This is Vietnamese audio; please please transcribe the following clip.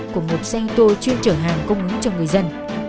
của một xe tuô chuyên trở hàng công ứng cho người dân